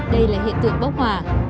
đây là hiện tượng bốc hỏa